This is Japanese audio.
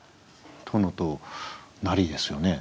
「殿となり」ですよね。